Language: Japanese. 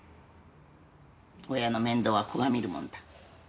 親の面倒は子が見るもんだ。